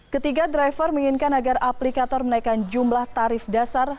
ketiga driver menginginkan agar aplikator menaikkan jumlah tarif dasar